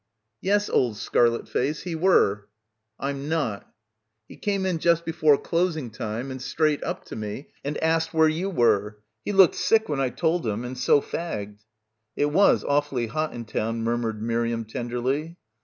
"Yes, old scarlet face, he were." "I'm not." "He came in just before closing time and straight up to me and ast where you were. He looked sick when I told him, and so fagged." "It was awfully hot in town," murmured Mir iam tenderly.